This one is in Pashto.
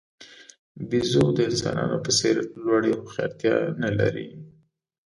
بیزو د انسانانو په څېر لوړې هوښیارتیا نه لري.